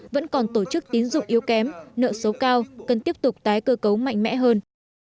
vẫn còn tổ chức tín dụng yếu kém nợ xấu cao cần tiếp tục tái cơ cấu mạnh mẽ hơn